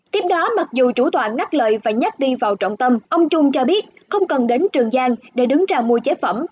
tiếp đó mặc dù chủ tọa ngắt lợi và nhắc đi vào trọng tâm ông trung cho biết không cần đến trường giang để đứng ra mua chế phẩm